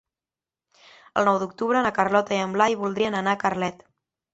El nou d'octubre na Carlota i en Blai voldrien anar a Carlet.